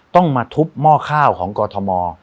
ต้องมาทุบหม้อข้าวของกอทม